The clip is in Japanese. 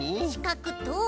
しかくと。